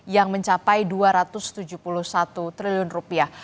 yang mencapai dua ratus tujuh puluh satu triliun rupiah